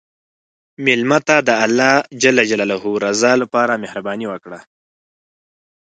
مېلمه ته د الله رضا لپاره مهرباني وکړه.